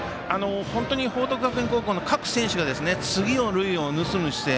本当に、報徳学園高校の各選手が、次の塁を盗む姿勢。